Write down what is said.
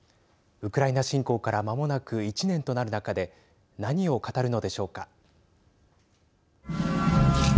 ウクライナ侵攻からまもなく１年となる中で何を語るのでしょうか。